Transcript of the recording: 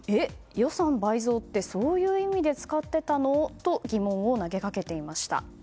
予算倍増ってそういう意味で使ってたの？と疑問を投げかけていました。